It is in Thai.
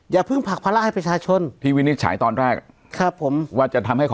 อย่าเพิ่งผลักภาระให้ประชาชนที่วินิจฉัยตอนแรกครับผมว่าจะทำให้ขอ